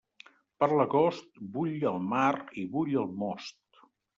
Per l'agost, bull el mar i bull el most.